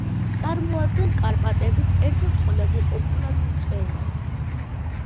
წარმოადგენს კარპატების ერთ-ერთ ყველაზე პოპულარულ მწვერვალს.